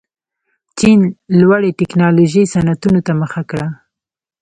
چین لوړې تکنالوژۍ صنعتونو ته مخه کړه.